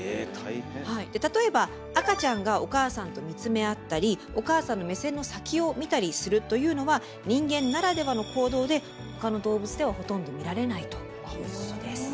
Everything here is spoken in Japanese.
例えば赤ちゃんがお母さんと見つめ合ったりお母さんの目線の先を見たりするというのは人間ならではの行動で他の動物ではほとんど見られないということです。